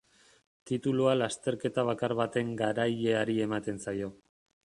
Titulua lasterketa bakar baten garaileari ematen zaio.